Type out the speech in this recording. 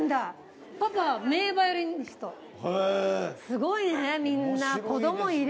すごいねみんな。